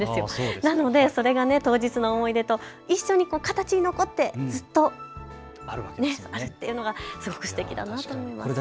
なのでそれが当日の思い出と一緒に形に残ってずっとあるっていうのがすごくすてきだなと思いました。